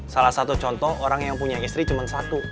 salah satu contoh orang yang punya istri cuma satu